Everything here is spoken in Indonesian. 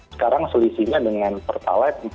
sekarang selisihnya dengan pertalite